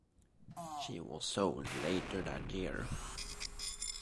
She was sold later that year.